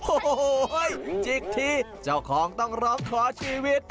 โอ้โหจิกทีเจ้าของต้องร้องขอชีวิต